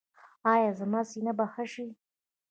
ایا زما سینه به ښه شي؟